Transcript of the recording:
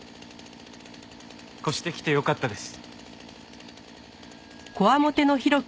越してきてよかったです。